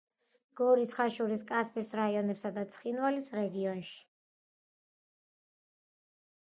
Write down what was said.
გორის, ხაშურის, კასპის რაიონებსა და ცხინვალის რეგიონში.